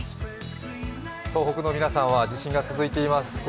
東北の皆さんは地震が続いています。